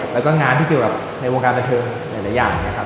แล้วก็งานที่เกี่ยวกับในวงการบันเทิงหลายอย่างนะครับ